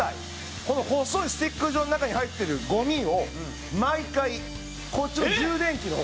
この細いスティック状の中に入ってるゴミを毎回こっちの充電器の方